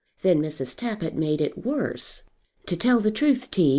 Then Mrs. Tappitt made it worse. "To tell the truth, T.